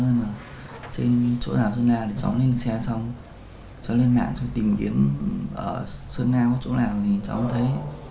cháu lên xe mà cháu hỏi bạn cháu ra là chỗ nào sơn la thì cháu lên xe xong cháu lên mạng cháu tìm kiếm sơn la có chỗ nào thì cháu thấy